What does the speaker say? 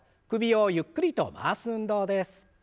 首をゆっくりと回す運動です。